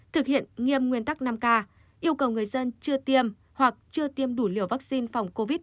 thực hiện nghiêm nguyên tắc năm k yêu cầu người dân chưa tiêm hoặc chưa tiêm đủ liều vaccine phòng covid một mươi chín